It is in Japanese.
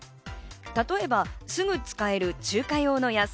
例えば、すぐ使える中華用の野菜。